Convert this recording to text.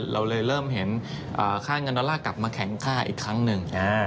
เราเลยเริ่มเห็นค่าเงินดอลลาร์กลับมาแข็งค่าอีกครั้งหนึ่ง